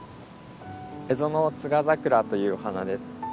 エゾノツガザクラというお花です。